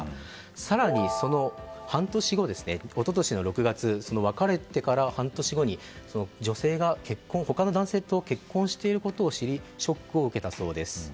更に、その半年後一昨年の６月別れてから半年後に女性が他の男性と結婚していることを知りショックを受けたそうです。